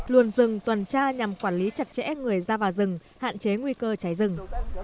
luồn rừng tuần tra nhằm quản lý chặt chẽ người ra vào rừng hạn chế nguy cơ cháy rừng